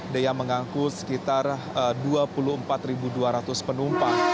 dan yang mengangkut sekitar dua puluh empat dua ratus penumpang